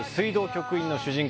局員の主人公